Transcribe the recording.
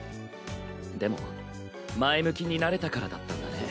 でも前向きになれたからだったんだね